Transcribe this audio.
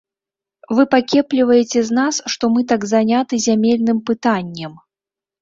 Вы пакепліваеце з нас, што мы так заняты зямельным пытаннем.